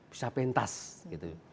bisa pentas gitu